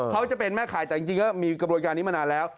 เขาจะเป็นแม่ขายแต่จริงก็มีกระบวนการนี้มานานแล้ว